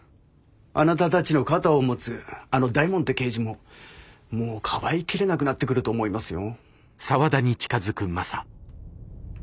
あなたたちの肩を持つあの大門って刑事ももうかばいきれなくなってくると思いますよ。